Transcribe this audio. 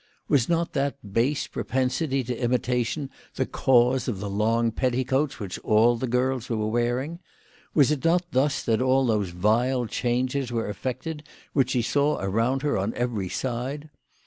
Was not that base propensity to imitation the cause of the long petticoats which all the girls were wearing ? Was it not thus that all those vile changes were effected which she saw around her on every side?